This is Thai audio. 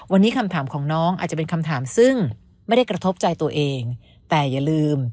วันนี้คำถามของน้องอาจจะเป็นคำถามซึ่งไม่ได้กระทบใจตัวเองแต่อย่าลืม